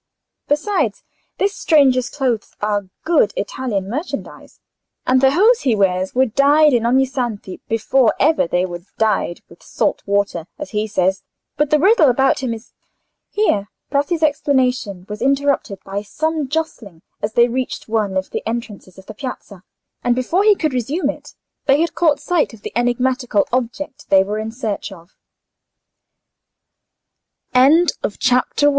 Besides, this stranger's clothes are good Italian merchandise, and the hose he wears were dyed in Ognissanti before ever they were dyed with salt water, as he says. But the riddle about him is—" Here Bratti's explanation was interrupted by some jostling as they reached one of the entrances of the piazza, and before he could resume it they had caught sight of the enigmatical object they were in search of. CHAPTER II. Breakfa